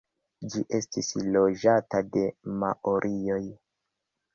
Ĝi estis loĝata de maorioj.